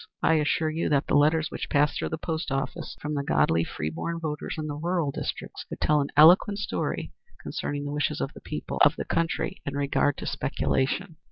I assure you that the letters which pass through the post office from the godly, freeborn voters in the rural districts would tell an eloquent story concerning the wishes of the people of the country in regard to speculation."